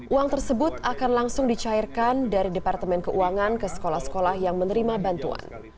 uang tersebut akan langsung dicairkan dari departemen keuangan ke sekolah sekolah yang menerima bantuan